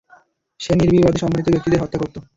সে নির্বিবাদে সম্মানিত ব্যক্তিদের হত্যা করত।